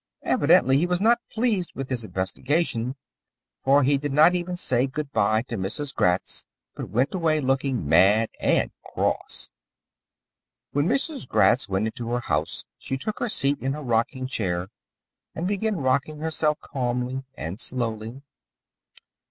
Evidently he was not pleased with his investigation, for he did not even say good bye to Mrs. Gratz, but went away looking mad and cross. When Mrs. Gratz went into her house she took her seat in her rocking chair and began rocking herself calmly and slowly.